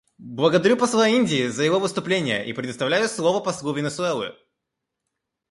Благодарю посла Индии за его выступление и предоставляю слово послу Венесуэлы.